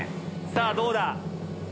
さぁどうだ？